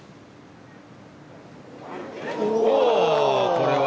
これは。